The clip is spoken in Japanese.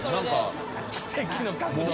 奇跡の角度。